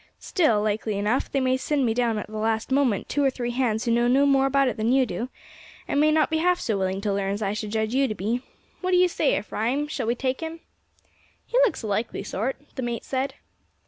Still, likely enough, they may send me down at the last moment two or three hands who know no more about it than you do, and may not be half so willing to learn as I should judge you to be. What do you say, Ephraim; shall we take him?" "He looks a likely sort," the mate said.